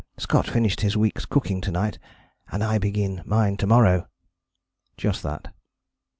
Scott finished his week's cooking to night and I begin mine to morrow." Just that.